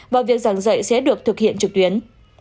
và việc giảng dạy sẽ được thực hiện trực tuyến